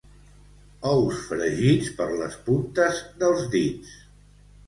Ous fregits per les puntes dels dits.